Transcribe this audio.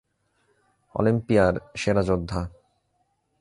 অলিম্পিয়ার সেরা যোদ্ধা।